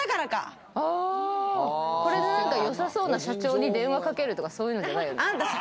良さそうな社長に電話かけるとか、そういうのじゃないよね？